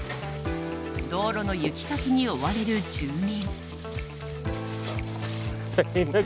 道路の雪かきに追われる住民。